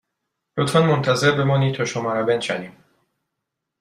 لطفاً منتظر بمانید تا شما را بنشانیم